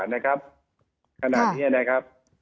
ขนาดนี้นะครับ